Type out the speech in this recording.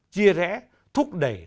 chia rẽ thúc đẩy